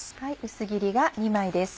薄切りが２枚です。